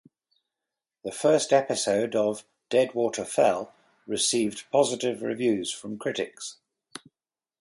The first episode of "Deadwater Fell" received positive reviews from critics.